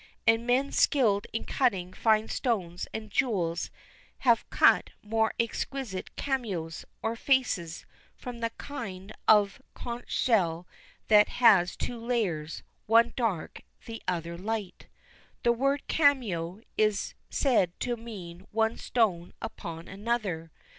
And men skilled in cutting fine stones and jewels have cut most exquisite cameos, or faces, from the kind of conch shell that has two layers, one dark, the other light. The word "cameo" is said to mean one stone upon another.